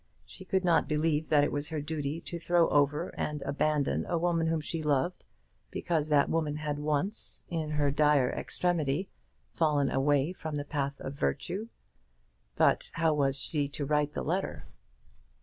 She could not believe that it was her duty to throw over and abandon a woman whom she loved, because that woman had once, in her dire extremity, fallen away from the path of virtue. But how was she to write the letter?